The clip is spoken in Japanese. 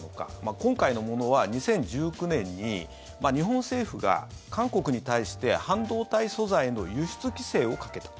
今回のものは２０１９年に日本政府が韓国に対して半導体素材の輸出規制をかけた。